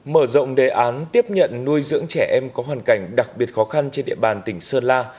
mở rộng đề án tiếp nhận nuôi dưỡng trẻ em có hoàn cảnh đặc biệt khó khăn trên địa bàn tỉnh sơn la